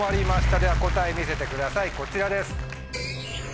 では答え見せてくださいこちらです。